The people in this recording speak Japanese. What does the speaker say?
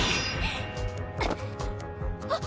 あっ！